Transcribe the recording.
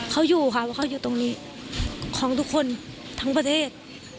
เขาอยู่ค่ะเพราะเขาอยู่ตรงนี้ของทุกคนทั้งประเทศ